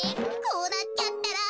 こうなっちゃったら。